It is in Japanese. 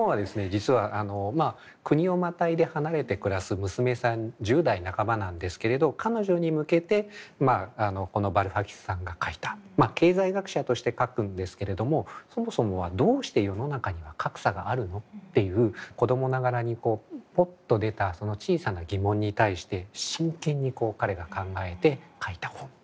実は国をまたいで離れて暮らす娘さん１０代半ばなんですけれど彼女に向けてこのバルファキスさんが書いた経済学者として書くんですけれどもそもそもは「どうして世の中には格差があるの？」っていう子供ながらにポッと出たその小さな疑問に対して真剣に彼が考えて書いた本ということですね。